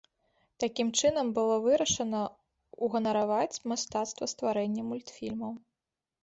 Такім чынам было вырашана ўганараваць мастацтва стварэння мультфільмаў.